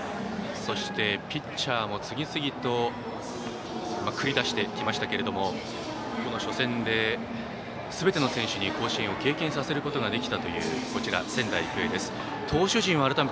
ピッチャーも次々と繰り出してきましたが初戦ですべての選手に甲子園を経験させることができたという仙台育英です。